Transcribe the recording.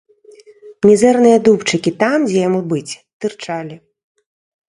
Мізэрныя дубчыкі там, дзе яму быць, тырчалі.